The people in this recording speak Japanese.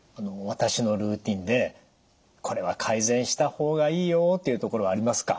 私のルーティンでこれは改善した方がいいよというところはありますか？